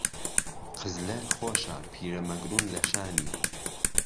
قزلهر خۆشه پیرهمهگروون له شانی